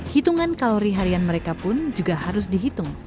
hitungan kalori harian mereka pun juga harus dihitung